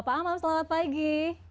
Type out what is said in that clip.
pak amam selamat pagi